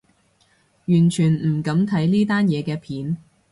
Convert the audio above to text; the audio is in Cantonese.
完全唔敢睇呢單嘢嘅片